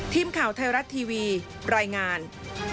ทีมข่าวไทยรัฐทีวีรายงาน